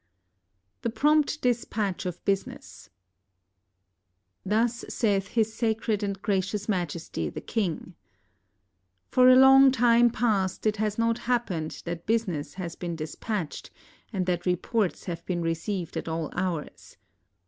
THE PROMPT DISPATCH OF BUSINESS Thus saith His Sacred and Gracious Majesty the King: — For a long time past it has not happened that business has been dispatched and that reports have been received at all hours.